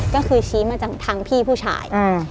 ก็คือชี้มาจากทางพี่ผู้ชาย